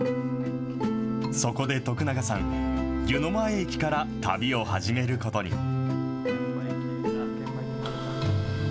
そこで徳永さん、湯前駅から旅を始めることに。